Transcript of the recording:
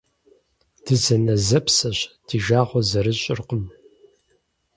Дызэнэзэпсэщ, ди жагъуэ зэрыщӀыркъым.